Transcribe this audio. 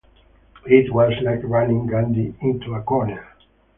It was like running Gandhi into a corner.